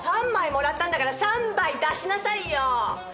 ３枚もらったんだから３杯出しなさいよ。